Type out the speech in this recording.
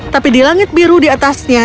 tapi di langit biru di atasnya